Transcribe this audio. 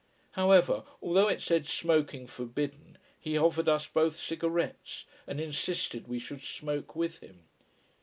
However, although it said "Smoking Forbidden" he offered us both cigarettes, and insisted we should smoke with him.